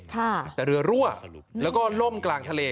แต่เรือรั่วแล้วก็ล่มกลางทะเล